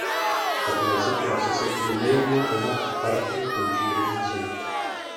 V takové situaci se tedy nejedná o mat a partie končí remízou.